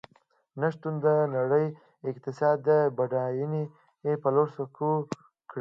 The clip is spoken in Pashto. نوښتونو د نړۍ اقتصاد یې د بډاینې په لور سوق کړ.